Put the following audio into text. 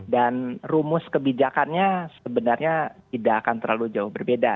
dan rumus kebijakannya sebenarnya tidak akan terlalu jauh berbeda